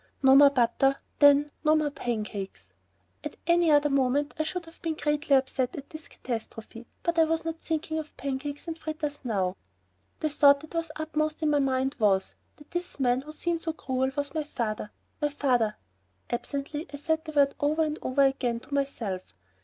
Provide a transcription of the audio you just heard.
No more butter ... then ... no more pancakes. At any other moment I should have been greatly upset at this catastrophe, but I was not thinking of the pancakes and fritters now. The thought that was uppermost in my mind was, that this man who seemed so cruel was my father! My father! Absently I said the word over and over again to myself.